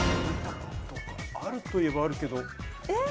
あるといえば、あるけど。